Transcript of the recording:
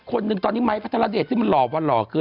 คนหนึ่งตอนนี้ไม้พัทราเดชที่มันหล่อประมาณหล่อขึ้น